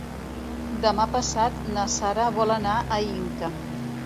Demà passat na Sara vol anar a Inca.